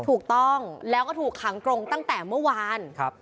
ถูกต้องแล้วก็ถูกขังตรงตั้งแต่เมื่อวาน